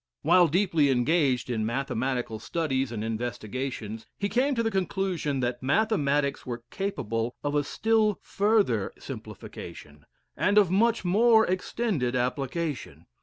While deeply engaged in mathematical studies and investigations, he came to the conclusion that mathematics were capable of a still further simplification, and of much more extended application.